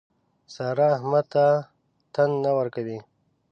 سارا احمد ته تن نه ورکوي.